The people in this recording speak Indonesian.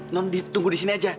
non ditunggu di sini aja